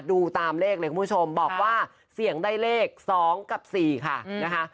ดูตามเลขเลยคุณผู้ชมบอกว่าเสี่ยงได้เลข๒กับ๔ค่ะนะคะ